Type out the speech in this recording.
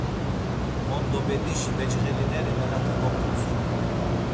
Mondo bedişi becğelineri nenate goǩutsxu.